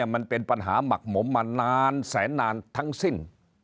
มันเป็นปัญหาหมักหมมมานานแสนนานทั้งสิ้น